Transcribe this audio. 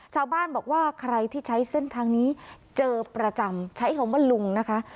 ชาวบ้านบอกว่าใครที่ใช้เส้นทางนี้เจอประจำใช้คำว่าลุงนะคะ